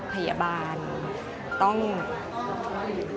พยาบาลต้องเป็นคนที่